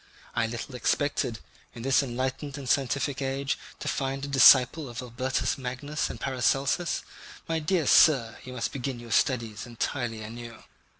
I little expected, in this enlightened and scientific age, to find a disciple of Albertus Magnus and Paracelsus. My dear sir, you must begin your studies entirely anew."